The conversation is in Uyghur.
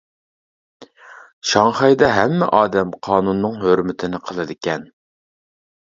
شاڭخەيدە ھەممە ئادەم قانۇننىڭ ھۆرمىتىنى قىلىدىكەن.